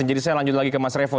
jadi saya lanjut lagi ke mas revo